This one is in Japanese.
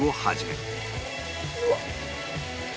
「うわっ！」